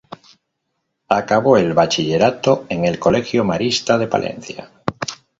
Acabó el bachillerato en el colegio Marista de Palencia.